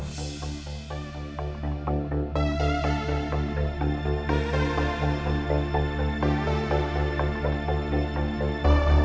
janganlah lo jadi panggung